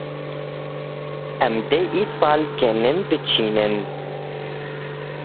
Em dê îsal genim biçînin.